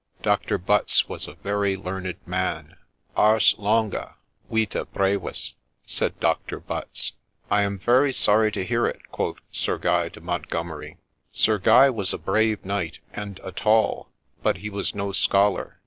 Doctor Butts was a very learned man. ' Ars longa, vita brevis I ' said Doctor Butts. ' I am very sorry to hear it,' quoth Sir Guy de Montgomeri. Sir Guy was a brave knight, and a tall ; but he was no scholar.